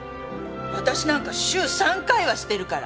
私なんか週３回はしてるから！